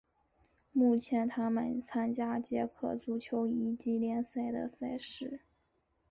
目前他们参加捷克足球乙级联赛的赛事。